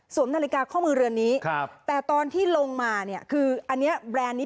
นาฬิกาข้อมือเรือนนี้ครับแต่ตอนที่ลงมาเนี่ยคืออันนี้แบรนด์นี้